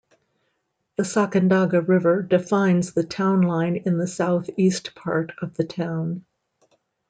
The Sacandaga River defines the town line in the southeast part of the town.